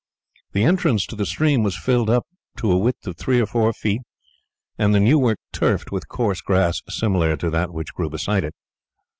The entrance to the stream was filled up to a width of three or four feet, and the new work turfed with coarse grass similar to that which grew beside it.